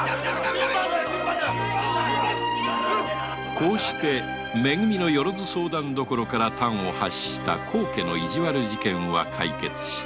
こうして「よろづ相談処」から端を発した高家の意地悪事件は解決した。